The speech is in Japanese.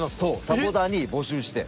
サポーターに募集して。